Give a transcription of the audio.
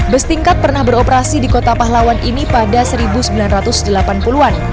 bus tingkat pernah beroperasi di kota pahlawan ini pada seribu sembilan ratus delapan puluh an